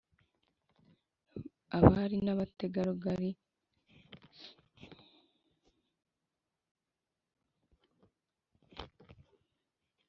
abari na bategarugori bahano mu Rwanda